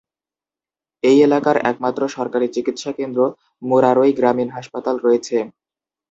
এই এলাকার একমাত্র সরকারি চিকিৎসা কেন্দ্র মুরারই গ্রামীণ হাসপাতাল রয়েছে।